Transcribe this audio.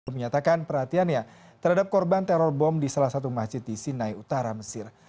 menyatakan perhatiannya terhadap korban teror bom di salah satu masjid di sinai utara mesir